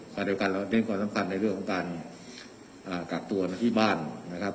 การเรียกกว่าสำคัญในเรื่องของการกักตัวที่บ้านนะครับ